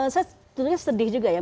saya tentunya sedih juga ya